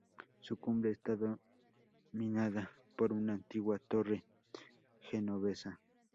Su cumbre está dominada por una antigua torre genovesa.